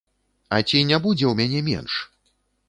А ці не будзе ў мяне менш?